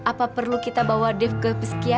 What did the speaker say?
oh iya bu apa perlu kita bawa dev ke psikiater ya bu